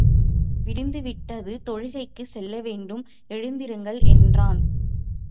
விடிந்து விட்டது, தொழுகைக்குச் செல்லவேண்டும், எழுந்திருங்கள் என்றான்.